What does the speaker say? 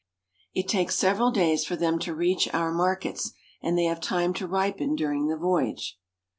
It takes several days for them to reach our markets, and they have time to ripen during the voyage.